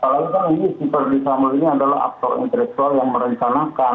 apalagi kan ini si ferdi samuel ini adalah aksol intelektual yang merencanakan kebunuhan berencana ini